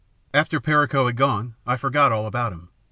"After Perico had gone, I forgot all about him.